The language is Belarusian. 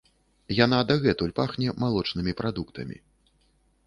Яна дагэтуль пахне малочнымі прадуктамі.